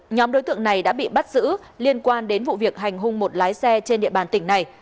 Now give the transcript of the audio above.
nhóm đối tượng này đã bị bắt giữ liên quan đến vụ việc hành hung một lái xe trên địa bàn tỉnh này